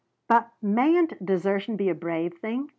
But mayn't desertion be a brave thing?